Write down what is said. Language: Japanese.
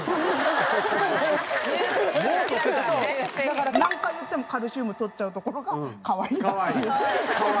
だから何回言ってもカルシウムとっちゃうところが可愛いなっていう。